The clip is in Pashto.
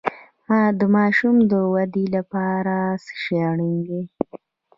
د ماشوم د ودې لپاره څه شی اړین دی؟